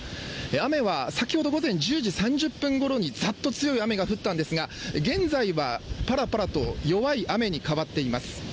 雨は先ほど午前１０時３０分ごろにざっと強い雨が降ったんですが、現在はぱらぱらと弱い雨に変わっています。